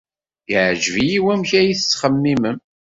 Yeɛjeb-iyi wamek ay tettxemmimem.